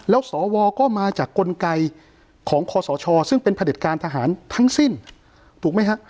แล้วสวก็มาจากกลไกของคศซึ่งเป็นผลิตการทหารทั้งสิ้นถูกไหมฮะ